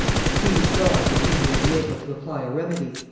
Please God the king may be able to apply a remedy!"